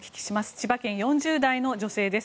千葉県４０代の女性です。